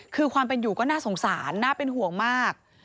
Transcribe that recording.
คือความเป็นอยู่ก็น่าสงสารน่าเป็นห่วงมาก